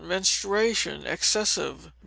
Menstruation (Excessive). No.